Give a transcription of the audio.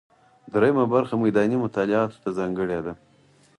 درېیمه برخه میداني مطالعاتو ته ځانګړې ده.